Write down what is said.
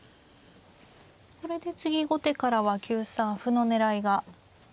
これで次後手からは９三歩の狙いがありますね。